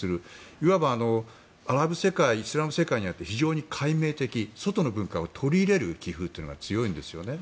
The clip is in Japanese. いわば、アラブ世界イスラム世界にあって非常に開明的外の文化を取り入れる気風というのが強いんですね。